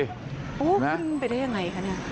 อูหูขึ้นไปได้อย่างไรคะนี่